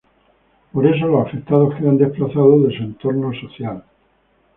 Por eso, los afectados quedan desplazados de su entorno social.